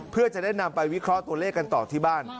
เพื่อจะได้นำไปวิเคราะห์ตัวเลขกันต่อที่บ้าน